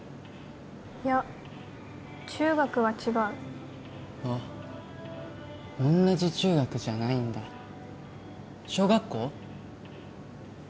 いや中学は違うあっ同じ中学じゃないんだ小学校？